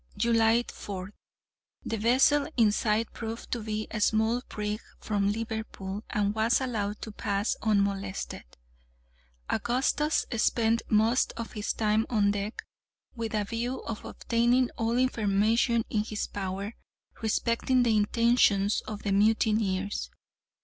July 4th. The vessel in sight proved to be a small brig from Liverpool, and was allowed to pass unmolested. Augustus spent most of his time on deck, with a view of obtaining all the information in his power respecting the intentions of the mutineers.